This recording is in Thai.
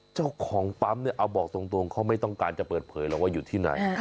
เจ้าของปั๊มเนี่ยเอาบอกตรงเขาไม่ต้องการจะเปิดเผยหรอกว่าอยู่ที่ไหน